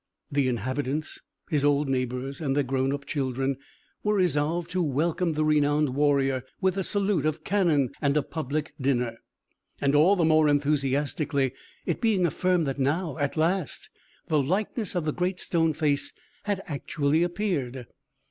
The inhabitants, his old neighbours and their grown up children, were resolved to welcome the renowned warrior with a salute of cannon and a public dinner; and all the more enthusiastically, it being affirmed that now, at last, the likeness of the Great Stone Face had actually appeared.